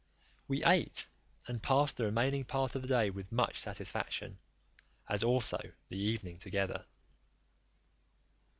We ate, and passed the remaining part of the day with much satisfaction, as also the evening, together.